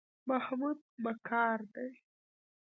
محمود مکار دی.